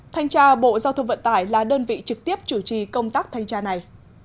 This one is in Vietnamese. thanh tra bộ giao thông vận tải là đơn vị trực tiếp chủ trì công tác thanh tra này